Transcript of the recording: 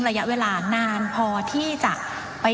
ว่าการกระทรวงบาทไทยนะครับ